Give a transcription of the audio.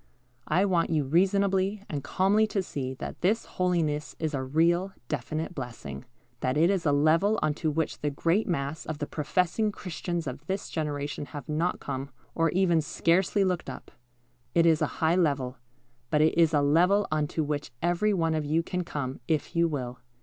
I want you reasonably and calmly to see that this holiness is a real, definite blessing; that it is a level on to which the great mass of the professing Christians of this generation have not come, or even scarcely looked up. It is a high level, but it is a level on to which every one of you can come, if you will.